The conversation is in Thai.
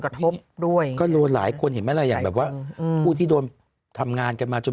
กระทบด้วยก็โหลหลายคนมีแบบว่าผู้ที่โดนทำงานกันมาจน